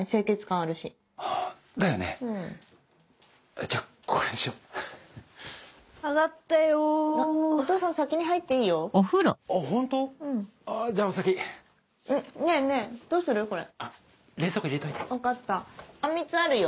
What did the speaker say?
あんみつあるよ。